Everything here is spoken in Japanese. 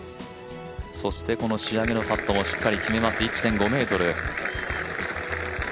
この仕上げのパットもしっかり決めます、１．５ｍ。